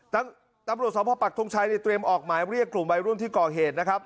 ตำรวจสมภาพปักทงชัยเนี่ยเตรียมออกหมายเรียกกลุ่มวัยรุ่นที่ก่อเหตุนะครับ